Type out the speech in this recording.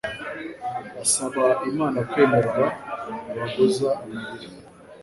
asaba Imana kwemerwa abogoza amarira.